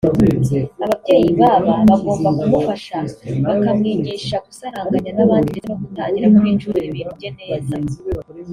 Ababyeyi baba bagomba kumufasha bakamwigisha gusaranganya n’abandi ndetse no gutangira kwicungira ibintu bye neza